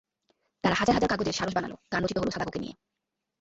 তারা হাজার হাজার কাগজের সারস বানাল, গান রচিত হলো সাদাকোকে নিয়ে।